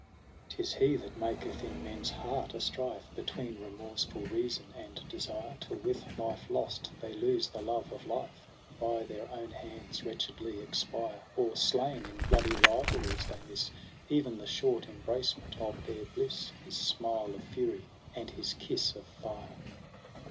MARCH 8i i8 'Tis he that maketh in men's heart a strife Between remorsefiil reason and desire, Till with life lost they lose the love of life, And by their own hands wretchedly expire ; Or slain in bloody rivalries they miss Even the short embracement of their bliss. His smile of fury and his kiss of fire.